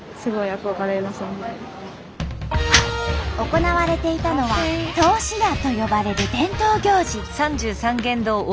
行われていたのは「通し矢」と呼ばれる伝統行事。